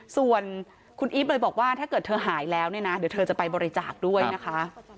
ส่วนคุณอีฟเลยบอกว่าถ้าเกิดเธอหายแล้วเนี่ยนะเดี๋ยวเธอจะไปบริจาคด้วยนะคะ